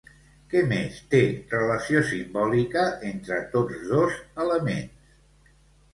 Què més té relació simbòlica entre tots dos elements?